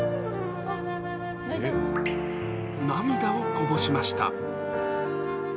涙をこぼしました。